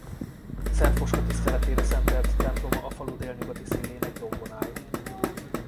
Szent Foska tiszteletére szentelt temploma a falu délnyugati szélén egy dombon áll.